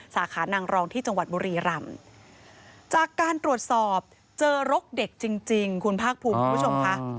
สาขานางรองที่จังหวัดบุรีรำจากการตรวจสอบเจอรกเด็กจริงคุณภาคภูมิคุณผู้ชมค่ะ